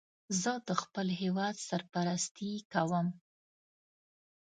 زه د خپل هېواد سرپرستی کوم